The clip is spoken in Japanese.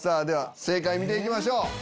では正解見て行きましょう。